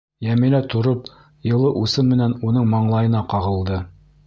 Йәмилә тороп йылы усы менән уның маңлайына ҡағылды.